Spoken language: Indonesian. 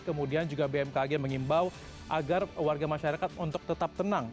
kemudian juga bmkg mengimbau agar warga masyarakat untuk tetap tenang